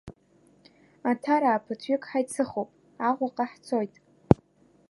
Аҭараа ԥыҭҩык ҳаицыхуп, Аҟәаҟа ҳцоит.